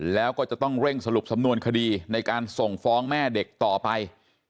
แล้วก็จะต้องเร่งสรุปสำนวนคดีในการส่งฟ้องแม่เด็กต่อไป